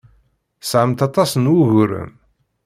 Tesɛamt aṭas n wuguren.